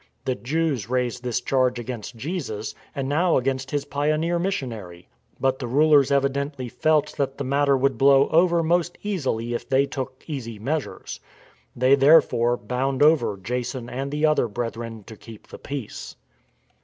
The Jews raised this charge against Jesus, and now against His pioneer missionary. But the rulers evidently felt that the matter would blow over most easily if they took easy measures. They, there fore, bound over Jason and the other brethren to keep the peace.